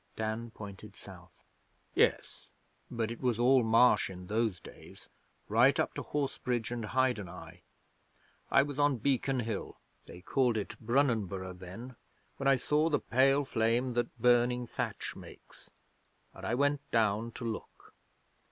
Dan pointed south. 'Yes; but it was all marsh in those days, right up to Horsebridge and Hydeneye. I was on Beacon Hill they called it Brunanburgh then when I saw the pale flame that burning thatch makes, and I went down to look.